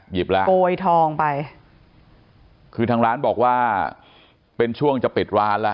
โกยทองไปคือทางร้านบอกว่าเป็นช่วงจะปิดร้านแล้ว